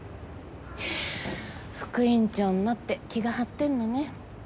副院長になって気が張ってんのね。